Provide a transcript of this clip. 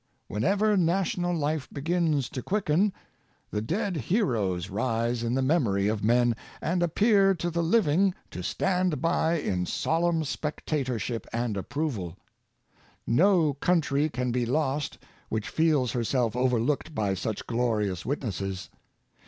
^"^^ Whenever national Hfe begins to quicken the dead heroes rise in the memory of men, and appear to the Hving to stand by in solemn spectatorship and ap proval. No country can be lost which feels herself overlooked by such glorious witnesses.